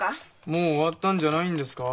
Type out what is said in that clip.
もう終わったんじゃないんですか？